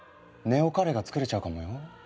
ネオカレーが作れちゃうかもよ。